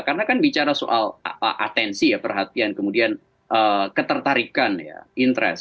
karena kan bicara soal atensi ya perhatian kemudian ketertarikan ya interest